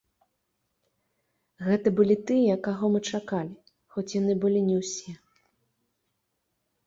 Гэта былі тыя, каго мы чакалі, хоць яны былі не ўсе.